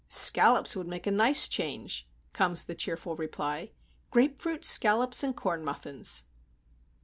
"Scallops would make a nice change," comes the cheerful reply. "Grape fruit, scallops, and corn muffins!"